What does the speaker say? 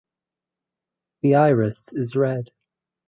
The iris is red.